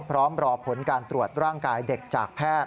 พร้อมรอผลการตรวจร่างกายเด็กจากแพทย์